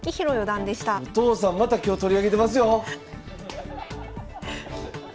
お父さんまた今日取り上げてますよ！